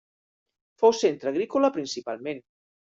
Fou centre agrícola principalment.